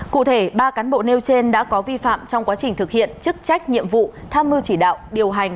cụ thể ba cán bộ nêu trên đã có vi phạm trong quá trình thực hiện chức trách nhiệm vụ tham mưu chỉ đạo điều hành